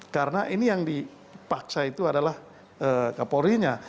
karena ini yang dipaksa itu adalah kapolrinya